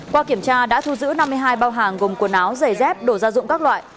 qua kiểm tra đã thu giữ năm mươi hai bao hàng gồm quần áo giày dép đồ gia dụng các loại